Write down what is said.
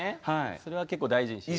それは結構大事にしてる。